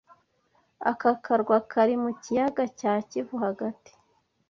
Aka karwa kari mu kiyaga cya Kivu hagati